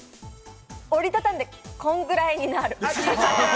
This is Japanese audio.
折りたたんで、こんぐらいになる。